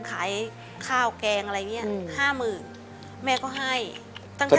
ขายข้าวแกงอะไรเนี้ยห้ามึงแม่ก็ให้สนิทกันไหมครับ